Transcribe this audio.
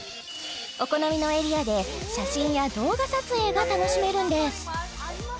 お好みのエリアで写真や動画撮影が楽しめるんです